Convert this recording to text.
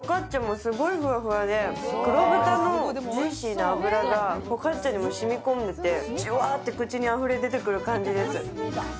フォカッチャもすごいふわふわで黒豚のジューシーな脂がフォカッチャにも染み込んで、じゅわーっと口にあふれ出る感じです。